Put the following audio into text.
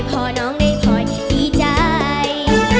พอน้องได้พอดีใจ